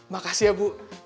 makasih ya bu